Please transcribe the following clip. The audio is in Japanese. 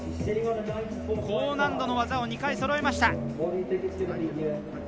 高難度の技を２回そろえました。